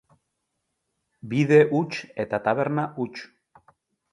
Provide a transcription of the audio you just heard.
Bide huts eta taberna huts.